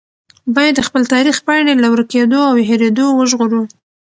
باید د خپل تاریخ پاڼې له ورکېدو او هېرېدو وژغورو.